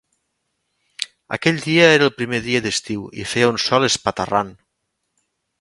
Aquell dia era el primer dia d'estiu i feia un sol espatarrant.